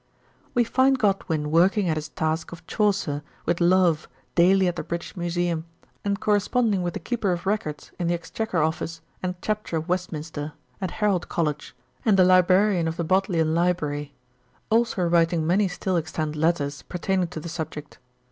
We find Godwin working at his task of Chaucer, with love, daily at the British Museum, and corresponding with the Keeper of Records in the Exchequer Office and Chapter of Westminster, and Herald College, and the Librarian of the Bodleian Library ; also writing many still extant letters pertaining to the subject.